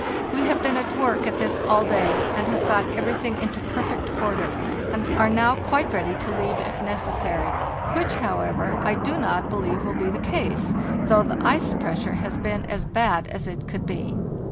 We have been at work at this all day, and have got everything into perfect order, and are now quite ready to leave if necessary, which, how ever, I do not believe will be the case, though the ice pressure has been as bad as it could be.